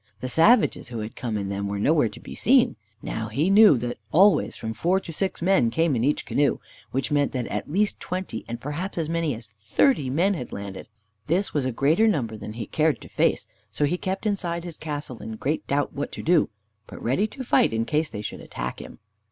The savages who had come in them were nowhere to be seen. Now, he knew that always from four to six men came in each canoe, which meant that at least twenty, and perhaps as many as thirty men had landed. This was a greater number than he cared to face, so he kept inside his castle, in great doubt what to do, but ready to fight, in case they should attack him.